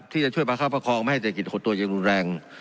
ที่จะช่วยพาเข้าประคองไม่ให้เศรษฐกิจขนตัวยังรุนแรง